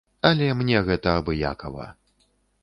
Але мне гэта абыякава.